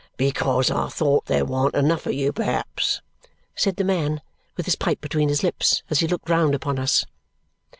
"Because I thought there warn't enough of you, perhaps?" said the man, with his pipe between his lips as he looked round upon us.